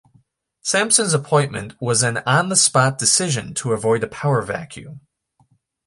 Sampson's appointment was an on-the-spot decision to avoid a power vacuum.